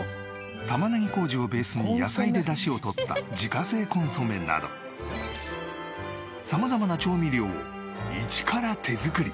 玉ねぎ麹をベースに野菜でダシを取った自家製コンソメなど様々な調味料を一から手作り。